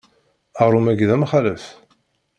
Aɣrum-agi d amxalef.